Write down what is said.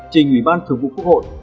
chỉnh ủy ban thượng vụ quốc hội